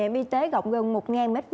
niệm y tế gọng gần một m hai